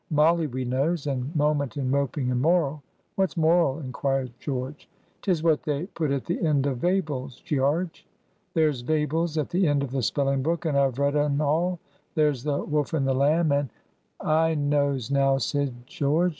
Molly we knows. And moment, and moping, and moral." "What's moral?" inquired George. "'Tis what they put at the end of Vables, Gearge. There's Vables at the end of the spelling book, and I've read un all. There's the Wolf and the Lamb, and"— "I knows now," said George.